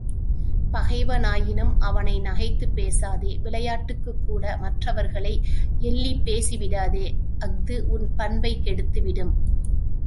பகைவனாயினும் அவனை நகைத்துப் பேசாதே விளையாட்டுக்குக் கூட மற்றவர்களை எள்ளிப் பேசி விடாதே, அஃது உன் பண்பைக் கெடுத்துவிடும்.